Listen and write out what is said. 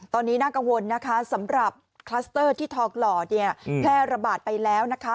ตอนนี้น่ากังวลนะคะสำหรับคลัสเตอร์ที่ทองหล่อเนี่ยแพร่ระบาดไปแล้วนะคะ